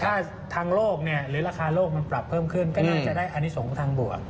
ถ้าทางโลกเนี่ยหรือราคาโลกมันปรับเพิ่มขึ้นก็น่าจะได้อนิสงฆ์ทางบวก